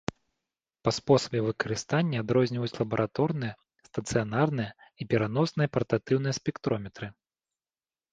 Па спосабе выкарыстання адрозніваюць лабараторныя, стацыянарныя і пераносныя партатыўныя спектрометры.